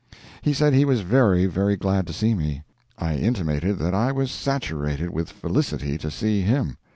He said he was very, very glad to see me. I intimated that I was saturated with felicity to see him.